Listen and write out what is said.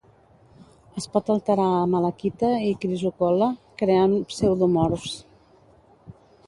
Es pot alterar a malaquita i crisocol·la, creant pseudomorfs.